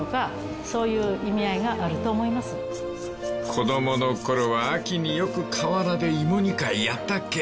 ［子供の頃は秋によく河原でいも煮会やったっけ］